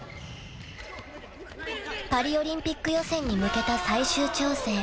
［パリオリンピック予選に向けた最終調整］